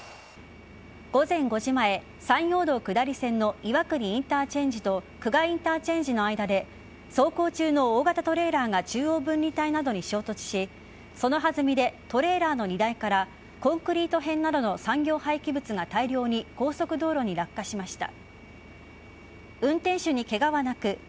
午前５時前、山陽道下り線の岩国インターチェンジと玖珂インターチェンジの間で走行中の大型トレーラーが中央分離帯などに衝突しその弾みでトレーラーの荷台からコンクリート片などの産業廃棄物が大量に高速道路に落下しました。